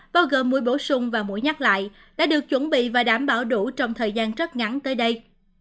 bao gồm mũi bổ sung và mũi nhắc lại đã được chuẩn bị và đảm bảo đủ trong thời gian rất ngắn tới đây